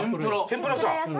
天ぷら屋さん？